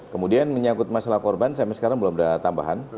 kemudian menyangkut masalah korban sampai sekarang belum ada tambahan